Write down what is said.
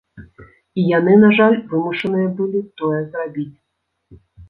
І яны, на жаль, вымушаныя былі тое зрабіць.